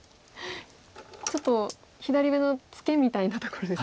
ちょっと左上のツケみたいなところですね。